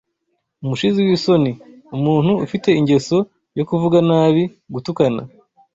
Umushizi w’isoni: Umuntu ufite ingeso yo kuvuga nabi/gutukana